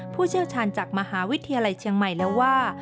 ผู้เชี่ยวชาญจากมหาวิทยาลัยเชียงใหม่แล้วว่า